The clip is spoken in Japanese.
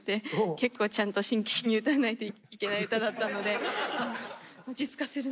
結構ちゃんと真剣に歌わないといけない歌だったので落ち着かせるのが大変で。